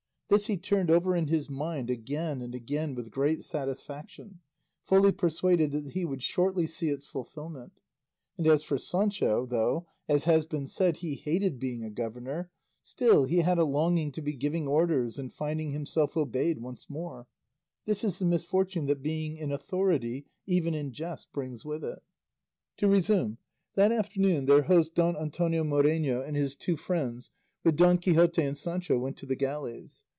This he turned over in his mind again and again with great satisfaction, fully persuaded that he would shortly see its fulfillment; and as for Sancho, though, as has been said, he hated being a governor, still he had a longing to be giving orders and finding himself obeyed once more; this is the misfortune that being in authority, even in jest, brings with it. To resume; that afternoon their host Don Antonio Moreno and his two friends, with Don Quixote and Sancho, went to the galleys.